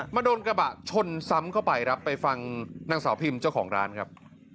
โดนกระบะชนซ้ำเข้าไปครับไปฟังนางสาวพิมเจ้าของร้านครับ